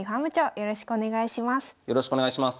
よろしくお願いします。